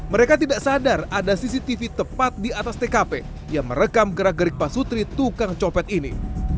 mereka tidak sadar ada cctv tepat di atas tkp yang merekam gerak gerik pak sutri tukang copet ini